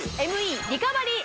ＭＥリカバリー